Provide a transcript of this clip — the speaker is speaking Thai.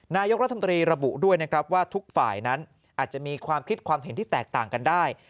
นายกรัฐมนตรีระบุด้วยนะครับว่าทุกฝ่ายนั้นอาจจะมีความคิดความเห็นที่แตกต่างกันได้